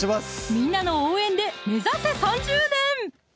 みんなの応援で目指せ３０年！